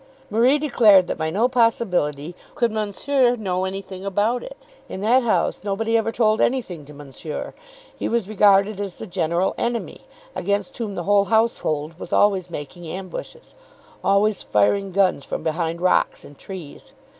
Marie declared that by no possibility could Monsieur know anything about it. In that house nobody ever told anything to Monsieur. He was regarded as the general enemy, against whom the whole household was always making ambushes, always firing guns from behind rocks and trees.